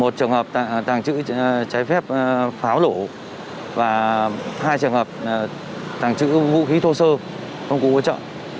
một trường hợp tàng trữ trái phép pháo nổ và hai trường hợp tàng trữ vũ khí thô sơ công cụ hỗ trợ